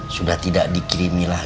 sudah tidak dikirimilah